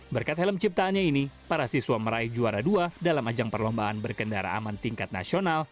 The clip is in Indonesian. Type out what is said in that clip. berkat helm ciptaannya ini para siswa meraih juara dua dalam ajang perlombaan berkendara aman tingkat nasional